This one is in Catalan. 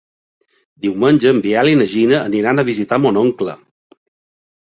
Diumenge en Biel i na Gina aniran a visitar mon oncle.